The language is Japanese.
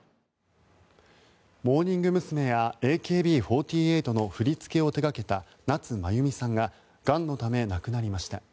モーニング娘。やＡＫＢ４８の振り付けを手掛けた夏まゆみさんががんのため亡くなりました。